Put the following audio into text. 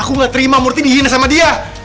aku nggak terima murtih dihina sama dia